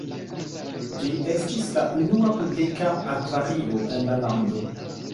Ĝi estis la unua publika akvario en la lando.